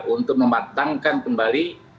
untuk mematangkan kembali